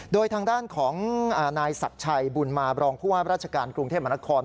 โดยทางด้านของนายศักดิ์ชัยบุญมาบรองผู้ว่าราชการกรุงเทพมหานคร